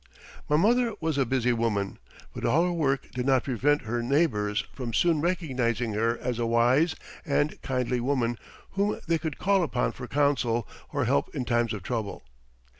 My mother was a busy woman, but all her work did not prevent her neighbors from soon recognizing her as a wise and kindly woman whom they could call upon for counsel or help in times of trouble.